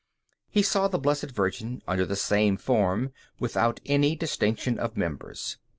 He saw the Blessed Virgin under the same form, without any distinction of members.